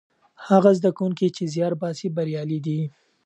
هغه زده کوونکي چې زیار باسي بریالي دي.